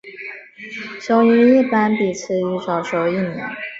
雄鱼一般比雌鱼早熟一年。